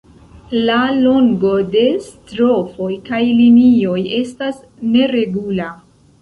La longo de "strofoj" kaj linioj estas neregula.